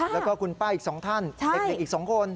แล้วก็คุณป้าอีก๒ท่านเด็กอีก๒คน